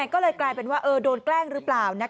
ก็เลยกลายเป็นว่าโดนแกล้งหรือเปล่า